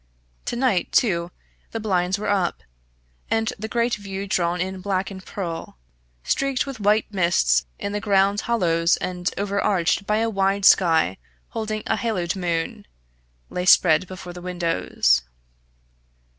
To night, too, the blinds were up, and the great view drawn in black and pearl, streaked with white mists in the ground hollows and overarched by a wide sky holding a haloed moon, lay spread before the windows.